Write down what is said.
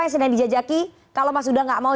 yang sedang dijajaki kalau mas sudah gak mau